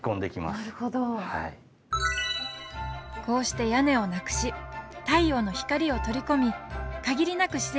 こうして屋根をなくし太陽の光を取り込み限りなく